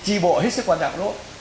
chi bộ hết sức quan trọng lỗ